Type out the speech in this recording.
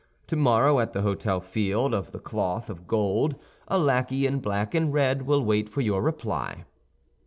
Tomorrow, at the Hôtel Field of the Cloth of Gold, a lackey in black and red will wait for your reply."